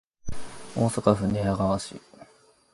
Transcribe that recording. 大阪府寝屋川市